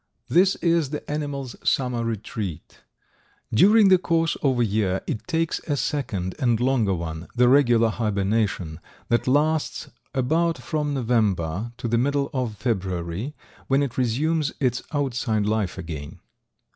This is the animal's summer retreat. During the course of a year it takes a second and longer one, the regular hibernation, that lasts about from November to the middle of February, when it resumes its outside life again.